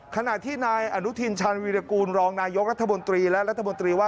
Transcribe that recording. ขณะที่นายอนุทินชาญวีรกูลรองนายกรัฐมนตรีและรัฐมนตรีว่า